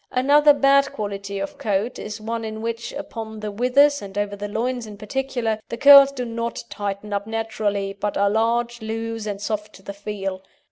Another bad quality of coat is one in which, upon the withers and over the loins in particular, the curls do not tighten up naturally, but are large, loose, and soft to the feel.